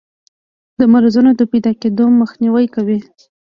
د مرضونو د پیداکیدو مخنیوی کوي.